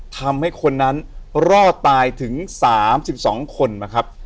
ทำให้คนนั้นรอดตายถึง๓๒คนนะครับ